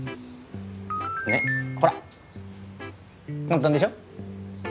ねっほら簡単でしょ。